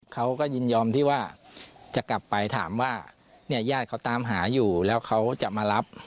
เขาก็ยินยอมที่ว่าจะกลับไปถามว่าเนี่ยญาติเขาตามหาอยู่แล้วเขาจะมารับ